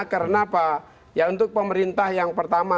karena apa ya untuk pemerintah yang pertama